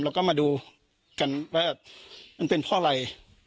แล้วก็มาดูกันว่ามันเป็นเพราะอะไร